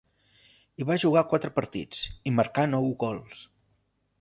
Hi va jugar quatre partits, i marcà nou gols.